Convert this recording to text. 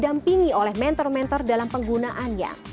dan dipinggi oleh mentor mentor dalam penggunaannya